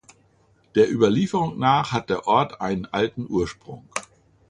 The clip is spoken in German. Der Überlieferung nach hat der Ort hat einen alten Ursprung.